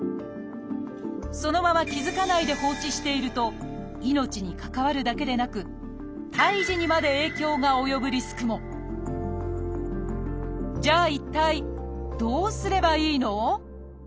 そのまま気付かないで放置していると命に関わるだけでなく胎児にまで影響が及ぶリスクもじゃあ一体どうすればいいの？